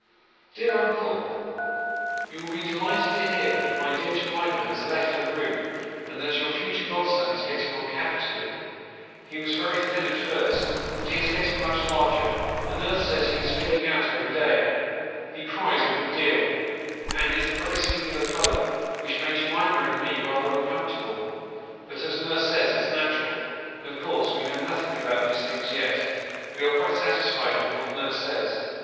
" DEAR UNOLE, You will be delighted to hear that my dear Jemima has left her room, and that your future godson is getting on capitally. He was very thin at first, but he is getting much larger, and nurse says he is filling out every day. He cries a good deal, and is a very singular colour, which made Jemima and me rather uncomfortable ; but as nurse says it's natural, and as of course we know nothing about these things yet, we are quite satisfied with what nurse says.